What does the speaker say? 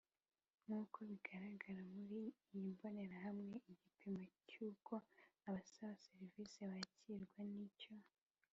Nkuko bigaragara muri iyi mbonerahamwe igipimo cy uko abasaba serivisi bakirwa nicyo